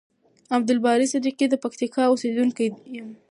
عبدالباری صدیقی د پکتیکا اوسیدونکی یم.